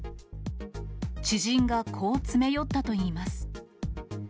知人がこう詰め寄ったといいます。